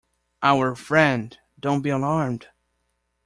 Our friend — don't be alarmed!